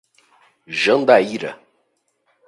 Jandaíra